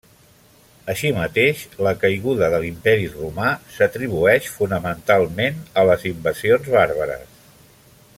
Així mateix, la caiguda de l'Imperi romà s'atribueix, fonamentalment, a les invasions bàrbares.